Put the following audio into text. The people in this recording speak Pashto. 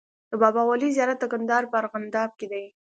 د بابا ولي زيارت د کندهار په ارغنداب کی دی